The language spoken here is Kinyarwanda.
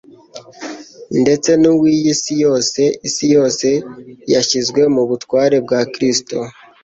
ndetse n'uw'iyi si yose. Isi yose yashyizwe mu butware bwa Kristo,